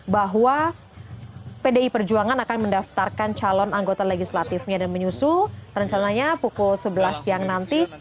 bahwa pdi perjuangan akan mendaftarkan calon anggota legislatifnya dan menyusul rencananya pukul sebelas siang nanti